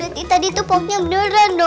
berarti tadi tuh pokoknya beneran dong